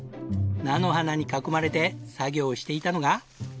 菜の花に囲まれて作業していたのが。